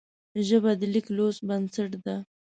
ژبه د لیک لوست بنسټ ده